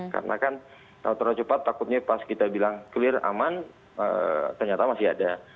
karena kan kalau terlalu cepat takutnya pas kita bilang clear aman ternyata masih ada